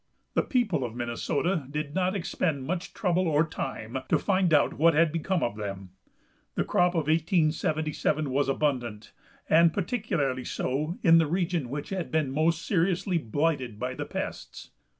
The people of Minnesota did not expend much trouble or time to find out what had become of them. The crop of 1877 was abundant, and particularly so in the region which had been most seriously blighted by the pests.